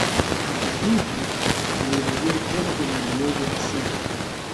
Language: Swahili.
Hata hivyo alirejea tena kwenye ulimwengu wa soka